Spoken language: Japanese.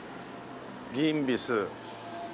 ギンビス。